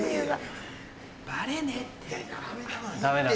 バレねえって。